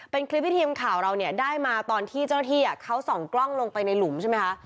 เป็นคลิปที่ทีมข่าวเราเนี่ยได้มาตอนที่เจ้าหน้าที่เขาส่องกล้องลงไปในหลุมใช่ไหมคะ